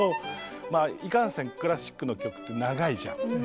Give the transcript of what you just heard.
いかんせんクラシックの曲って長いじゃん。